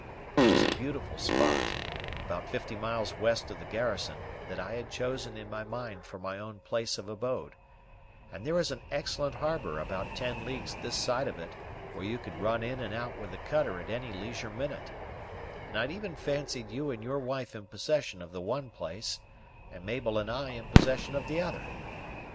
There is a beautiful spot, about fifty miles west of the garrison, that I had chosen in my mind for my own place of abode; and there is an excellent harbor about ten leagues this side of it where you could run in and out with the cutter at any leisure minute; and I'd even fancied you and your wife in possession of the one place, and Mabel and I in possession of t'other.